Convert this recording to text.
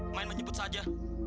main menjemput saja